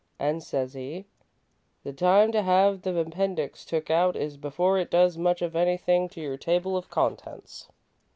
'An',' says he, 'the time to have the appendix took out is before it does much of anythin' to your table of contents.'